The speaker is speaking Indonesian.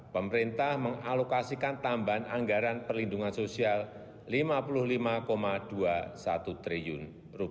pemerintah mengalokasikan tambahan anggaran perlindungan sosial rp lima puluh lima dua puluh satu triliun